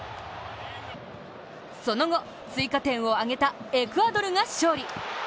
その後、追加点を挙げたエクアドルが勝利。